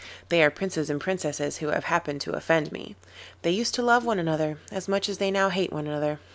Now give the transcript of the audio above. They are princes and princesses who have happened to offend me. They used to love one another as much as they now hate one another.